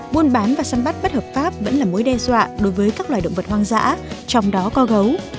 buôn bán và săn bắt bất hợp pháp vẫn là mối đe dọa đối với các loài động vật hoang dã trong đó có gấu